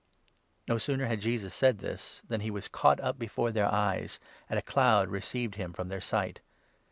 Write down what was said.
No sooner had Jesus said this than he was caught up before 9 their eyes, and a cloud received him from their sight.